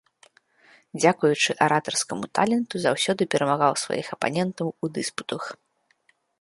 Дзякуючы аратарскаму таленту заўсёды перамагаў сваіх апанентаў у дыспутах.